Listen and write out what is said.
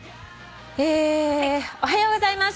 「おはようございます。